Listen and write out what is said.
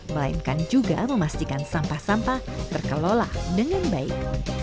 melainkan juga memastikan sampah sampah terkelola dengan baik